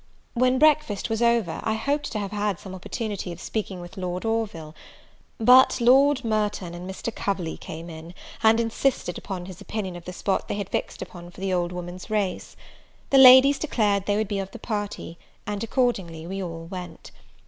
When breakfast was over, I hoped to have had some opportunity of speaking with Lord Orville; but Lord Merton and Mr. Coverley came in, and insisted up his opinion of the spot they had fixed upon for the old women's race. The ladies declared they would be of the party; and accordingly we all went.